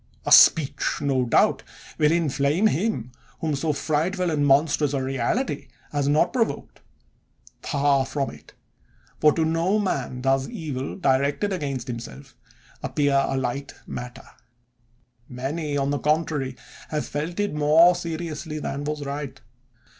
A speech, no doubt, will inflame him whom so frightful and monstrous a reality has not provoked ! Far from it : for to no man does evil, directed against himself, appear a light matter ; many, on the contrary, have felt it more seriously than was right.